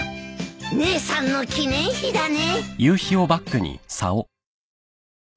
姉さんの記念碑だね。